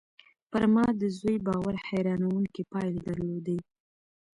پر ما د زوی باور حيرانوونکې پايلې درلودې